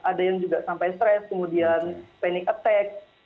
ada yang juga sampai stres kemudian panic attack